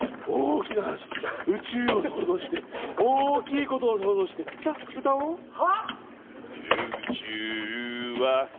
大きな話宇宙を想像して大きいことを想像してさあ歌おうはあ？